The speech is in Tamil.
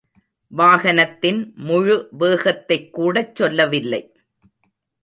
வாகனத்தின் முழு, வேகத்தைக்கூடச் சொல்லவில்லை.